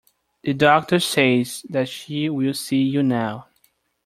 The doctor says that she will see you now.